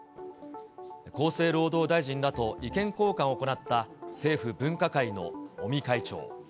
厚生労働大臣らと意見交換を行った政府分科会の尾身会長。